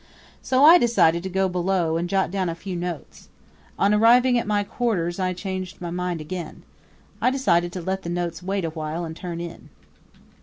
So I decided to go below and jot down a few notes. On arriving at my quarters I changed my mind again. I decided to let the notes wait a while and turn in.